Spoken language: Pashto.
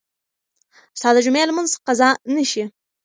ستا د جمعې لمونځ قضا نه شي.